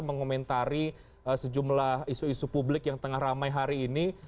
mengomentari sejumlah isu isu publik yang tengah ramai hari ini